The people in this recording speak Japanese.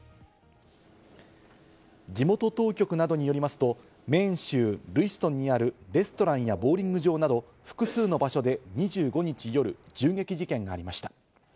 地元当局などによりますと、メーン州ルイストンにあるレストランやボウリング場など複数の場所で２５日夜、銃撃事件がありました。